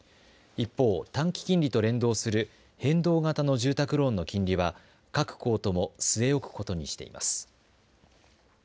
一方、短期金利と連動する変動型の住宅ローンの金利は各行とも据え置くことにしています。